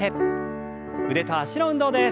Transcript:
腕と脚の運動です。